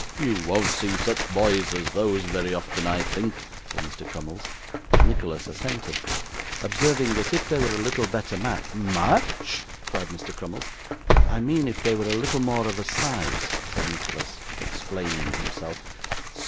'You won't see such boys as those very often, I think,' said Mr Crummles. Nicholas assented observing that if they were a little better match 'Match!' cried Mr. Crummles. 'I mean if they were a little more of a size,' said Nicholas, explaining himself.